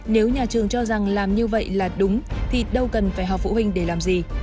nếu nhà trường cho rằng làm như vậy là đúng thì đâu cần phải học phụ huynh để làm gì